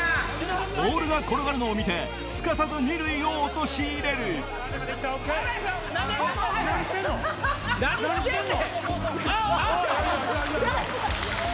ボールが転がるのを見てすかさず二塁を陥れるっしゃ！